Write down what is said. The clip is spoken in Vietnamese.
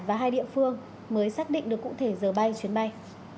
và hai địa phương mới xác định được cụ thể giờ bay chuyến bay